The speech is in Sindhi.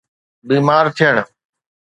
بيمار ٿيڻ